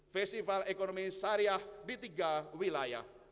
festival ekonomi syariah di tiga wilayah